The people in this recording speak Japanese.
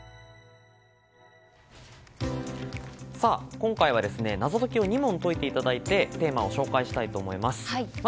今回は、謎解きを２問解いていただいてテーマを紹介したいと思います。